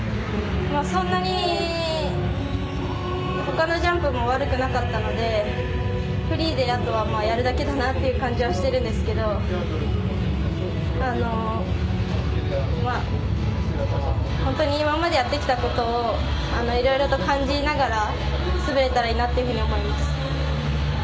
そんなに、他のジャンプも悪くなかったのでフリーであとは、やるだけという感じはしているんですけれど本当に今までやってきたことをいろいろと感じながら滑れたらいいなと思います。